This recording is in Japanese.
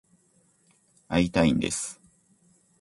会いたいんです。